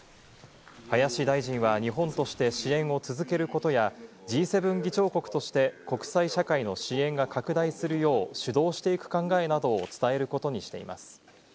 林大臣は日本として支援を続けることや、Ｇ７議長国として国際社会の支援が拡大するよう、主導していく考えなどを伝えることにしています。